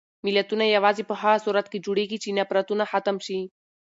ملتونه یوازې په هغه صورت کې جوړېږي چې نفرتونه ختم شي.